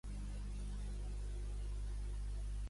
Quin personatge es potencia en la versió reduïda de l'òpera?